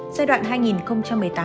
giai đoạn hai nghìn một mươi bảy